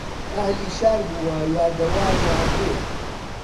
ئەهلی شار بووە یا دەوار یا دێ